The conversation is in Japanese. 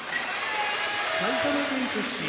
埼玉県出身